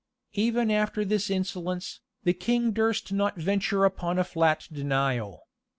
Even after this insolence, the king durst not venture upon a flat denial.